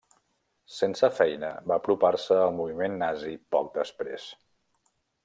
Sense feina, va apropar-se al moviment nazi poc després.